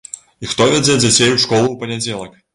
І хто вядзе дзяцей у школу ў панядзелак.